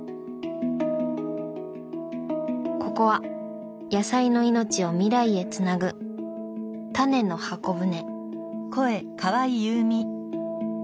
ここは野菜の命を未来へつなぐ「タネの箱舟」。